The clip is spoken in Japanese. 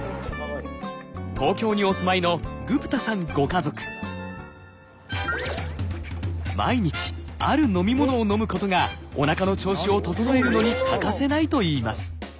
東京にお住まいの毎日ある飲み物を飲むことがおなかの調子を整えるのに欠かせないといいます。